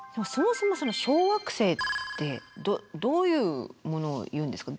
そもそも小惑星ってどういうものをいうんですか。